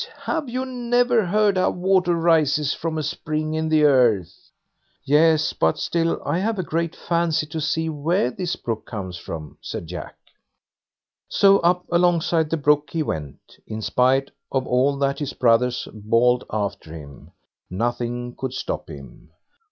Have you never heard how water rises from a spring in the earth?" "Yes! but still I've a great fancy to see where this brook comes from", said Jack. So up alongside the brook he went, in spite of all that his brothers bawled after him. Nothing could stop him.